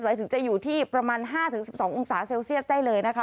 หรือถึงจะอยู่ที่ประมาณห้าถึงสิบสององศาเซลเซียสได้เลยนะคะ